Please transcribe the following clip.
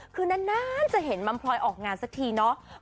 คือนานจะเห็นมัมพลอยออกงานสักทีเนาะ